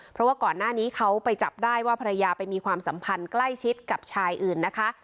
เพราะว่าก่อนหน้านี้เขาไปจับได้ว่าภรรยาไปมีความสัมพันธ์ใกล้ชิดกับชายอื่นนะคะ